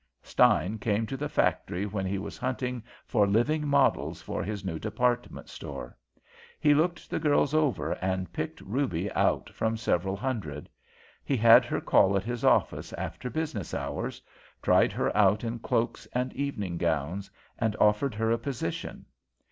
Stein came to the factory when he was hunting for living models for his new department store. He looked the girls over, and picked Ruby out from several hundred. He had her call at his office after business hours, tried her out in cloaks and evening gowns, and offered her a position.